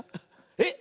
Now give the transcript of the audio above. えっ